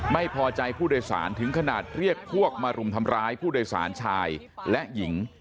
ไม่พอใจผู้โดยสารถึงขนาดเรียกพวกมารุมทำร้ายผู้โดยสารชายและหญิง